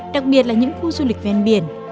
đặc biệt là những khu du lịch ven biển